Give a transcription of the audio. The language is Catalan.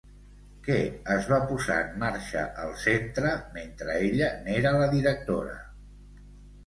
Què es va posar en marxa al centre mentre ella n'era la directora?